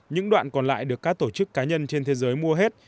những đoạn còn lại được các tổ chức cá nhân trên thế giới mua hết